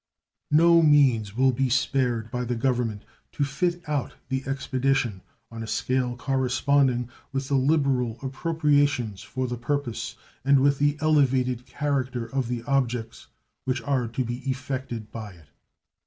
No means will be spared by the Government to fit out the expedition on a scale corresponding with the liberal appropriations for the purpose and with the elevated character of the objects which are to be effected by it.